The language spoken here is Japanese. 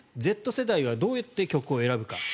Ｚ世代はどうやって曲を選ぶか。